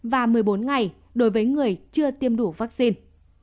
và một mươi bốn ngày đối với người chưa tiêm đủ vaccine